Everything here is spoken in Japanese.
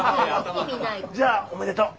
じゃあおめでとう。